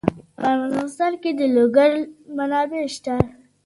په افغانستان کې د لوگر منابع شته.